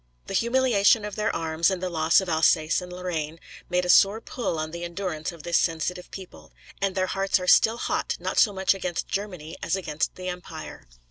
The humiliation of their arms and the loss of Alsace and Lorraine made a sore pull on the endurance of this sensitive people; and their hearts are still hot, not so much against Germany as against the Empire.